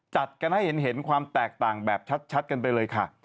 จัดกันให้เห็นความแตกต่างแบบชัดกันไปเลยค่ะ